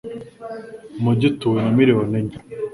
Umujyi utuwe na miliyoni enye.